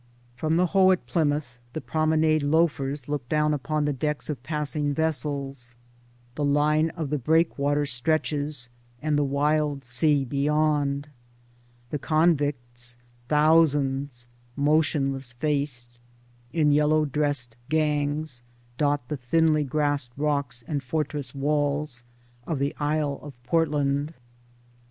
From the Hoe at Plymouth the promenade loafers look down upon the decks of passing vessels ; the line of the breakwater stretches, and the wild sea beyond; The convicts, thousands, motionless faced, in yellow dressed gangs dot the thinly grassed rocks and fortress walls of the Isle of Portland.